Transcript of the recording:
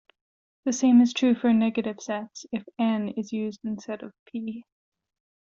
The same is true for negative sets, if "N" is used instead of "P".